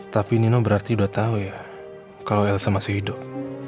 tapi nino berarti sudah tahu ya kalau elsa masih hidup